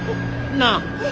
なあ。